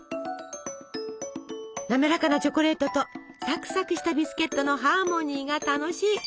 滑らかなチョコレートとサクサクしたビスケットのハーモニーが楽しい！